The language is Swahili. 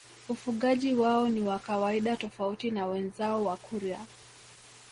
Ufugaji wao ni wa kawaida tofauti na wenzao Wakurya